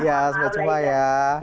ya selamat jumpa ya